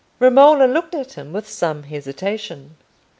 Romola looked at him with some hesitation.